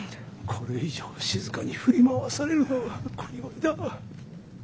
これ以上しずかに振り回されるのはこりごりだ。